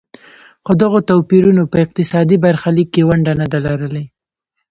خو دغو توپیرونو په اقتصادي برخلیک کې ونډه نه ده لرلې.